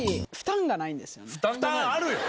負担あるよ！